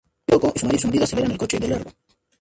Kyoko y su marido aceleran el coche y siguen de largo.